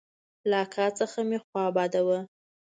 له اکا څخه مې خوا بده وه.